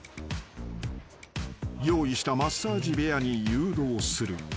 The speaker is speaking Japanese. ［用意したマッサージ部屋に誘導する］